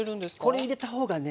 これ入れた方がね